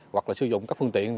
hoặc là sử dụng các phương tiện